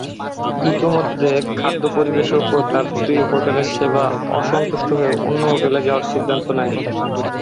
ইতোমধ্যে খাদ্য পরিবেশক ও তার স্ত্রী হোটেলের সেবা অসন্তুষ্ট হয়ে অন্য হোটেলে যাওয়ার সিদ্ধান্ত নেয়।